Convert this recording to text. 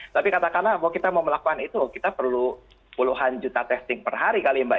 tapi katakanlah kalau kita mau melakukan itu kita perlu puluhan juta testing per hari kali mbak